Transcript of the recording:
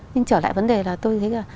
nhưng trở lại vấn đề là tôi nghĩ là